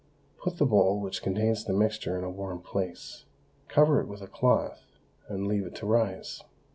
Put the bowl which contains the mixture in a warm place, cover it with a cloth, and leave it to rise.